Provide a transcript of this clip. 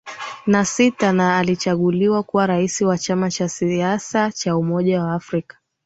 na sita na alichaguliwa kuwa rais wa chama cha siasa cha umoja wa afrika